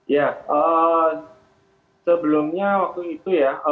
ya sebelumnya waktu itu ya